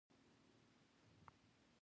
جلګه د افغانستان د فرهنګي فستیوالونو برخه ده.